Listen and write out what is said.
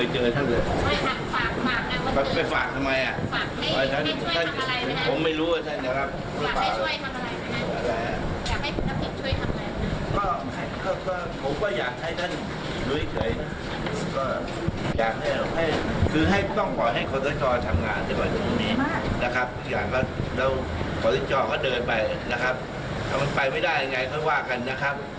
ถ้ามันไปไม่ได้ยังไงก็ว่ากันนะครับ